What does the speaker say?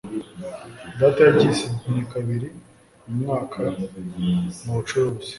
Data yagiye i Sydney kabiri mu mwaka mubucuruzi.